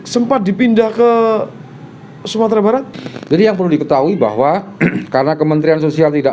sempat dipindah ke sumatera barat jadi yang perlu diketahui bahwa karena kementerian sosial tidak